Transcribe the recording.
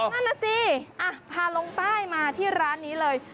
พาลงไปลงใต้มาที่ร้านนี้เลย